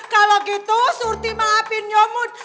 kalau gitu surti maafin nyot